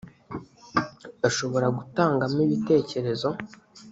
ashobora gutangamo ibitekerezo